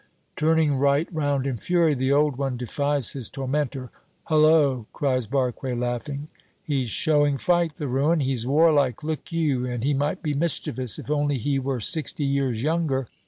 Turning right round in fury, the old one defies his tormentor. "Hullo!" cries Barque, laughing, "He's showing fight; the ruin! He's warlike, look you, and he might be mischievous if only he were sixty years younger!"